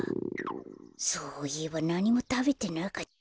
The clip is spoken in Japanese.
そういえばなにもたべてなかった。